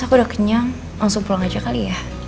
aku udah kenyang langsung pulang aja kali ya